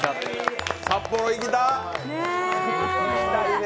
札幌、行きたい。